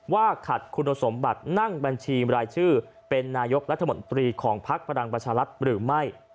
ว่าขัดคุณสมบัตินั่งบัญชีรายชื่อเป็นนายกรัฐมนตรีของพักพลังประชารัฐหรือไม่